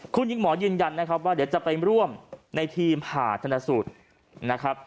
คุณหญิงหมอยืนยันนะครับว่าเดี๋ยวจะไปร่วมในทีมผ่าธนสูตรนะครับ